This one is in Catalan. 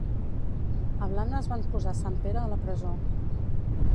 A Blanes van posar sant Pere a la presó.